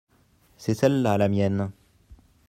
c'est celle-là la mienne.